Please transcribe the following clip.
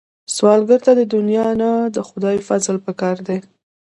سوالګر ته د دنیا نه، د خدای فضل پکار دی